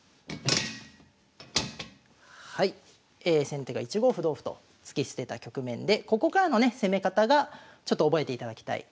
先手が１五歩同歩と突き捨てた局面でここからのね攻め方がちょっと覚えていただきたい